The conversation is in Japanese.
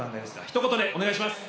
ひと言でお願いします！